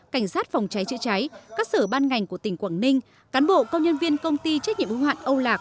cảnh sát phòng cháy chữa cháy các sở ban ngành của tỉnh quảng ninh cán bộ công nhân viên công ty trách nhiệm ứng hoạn âu lạc